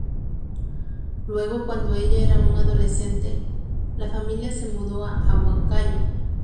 Luego cuando ella era aún adolescente, la familia se mudó a Huancayo.